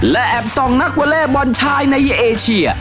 และแอบส่องนักวอเล่บอลชายในเอเชีย